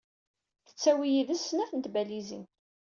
Tettawi yid-s snat n tbalizin.